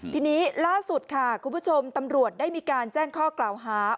ทีนี้ล่าสุดค่ะคุณผู้ชมตำรวจได้มีการแจ้งข้อกล่าวหา